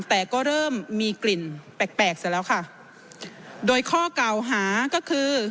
แต่ก็เริ่มมีกลิ่นแปลกแปลกเสร็จแล้วค่ะโดยข้อเก่าหาก็คือ